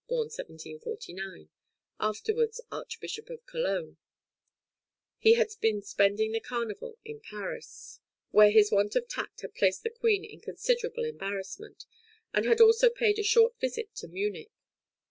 1749), afterwards Archbishop of Cologne; he had been spending the Carnival in Paris, where his want of tact had placed the Queen in considerable embarrassment, and had also paid a short visit to Munich.